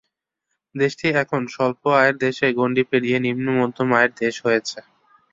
দেশটি এখন স্বল্প আয়ের দেশের গণ্ডি পেরিয়ে নিম্ন মধ্যম আয়ের দেশ হয়েছে।